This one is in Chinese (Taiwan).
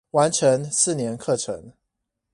完成四年課程